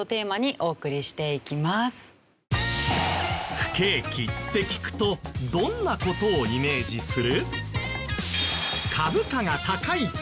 不景気って聞くとどんな事をイメージする？